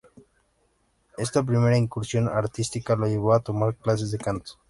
Esta primera incursión artística lo llevó a tomar clases de canto.